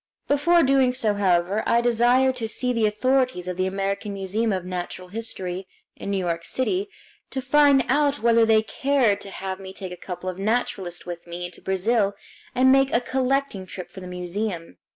Before doing so, however, I desired to see the authorities of the American Museum of Natural History, in New York City, to find out whether they cared to have me take a couple of naturalists with me into Brazil and make a collecting trip for the museum.